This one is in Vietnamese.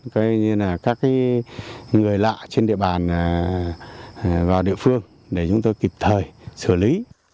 các người lạ trên địa bản vào địa phương để chúng tôi kịp thời xử lý